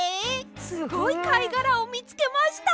すごいかいがらをみつけました！